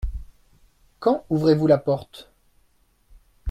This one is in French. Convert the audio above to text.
Quand ouvrez-vous la porte ?